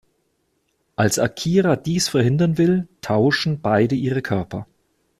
Als Akira dies verhindern will, tauschen beide ihre Körper.